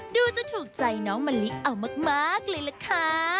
ดูจะถูกใจน้องมะลิเอามากเลยล่ะค่ะ